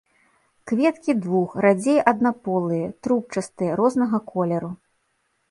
Кветкі двух-, радзей аднаполыя, трубчастыя, рознага колеру.